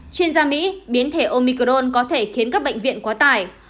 chuyên gia mỹ biến thể omicron có thể khiến các bệnh viện quá tải